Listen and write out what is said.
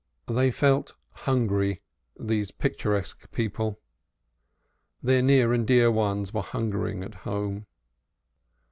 They felt hungry, these picturesque people; their near and dear ones were hungering at home.